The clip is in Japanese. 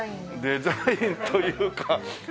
デザインというかねえ。